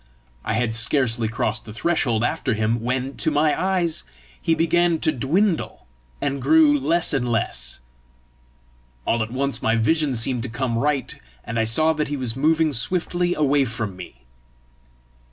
I had scarcely crossed the threshold after him, when, to my eyes, he began to dwindle, and grew less and less. All at once my vision seemed to come right, and I saw that he was moving swiftly away from me.